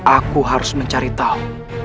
aku harus mencari tahu